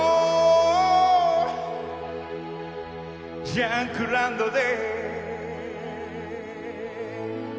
「ジャンクランドで」